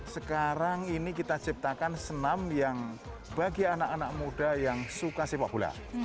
sekarang ini kita ciptakan senam yang bagi anak anak muda yang suka sepak bola